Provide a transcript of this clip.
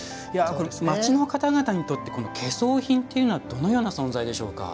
町の方々にとって懸装品というのはどのような存在でしょうか？